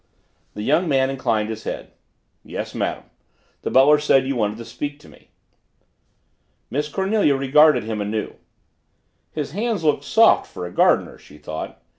The young man inclined his head. "Yes, madam. The butler said you wanted to speak to me." Miss Cornelia regarded him anew. His hands look soft for a gardener's, she thought.